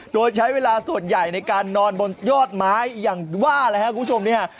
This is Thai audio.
โดยใช้เวลาส่วนใหญ่ในการนอนบนยอดไม้อย่างว่าเลยครับคุณผู้ชมเนี่ยฮะ